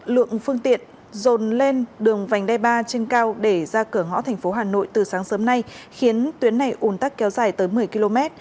lượng phương tiện dồn lên đường vành đai ba trên cao để ra cửa ngõ thành phố hà nội từ sáng sớm nay khiến tuyến này ủn tắc kéo dài tới một mươi km